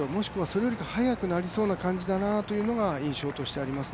それより早くなりそうな感じだなというのが印象としてあります。